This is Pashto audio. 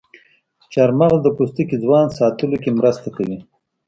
چارمغز د پوستکي ځوان ساتلو کې مرسته کوي.